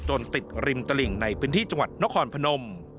ติดริมตลิ่งในพื้นที่จังหวัดนครพนม